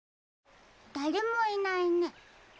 だれもいないね。